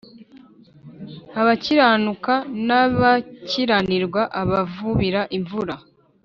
Abakiranuka n abakiranirwa abavubira imvura